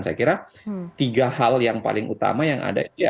saya kira tiga hal yang paling utama yang ada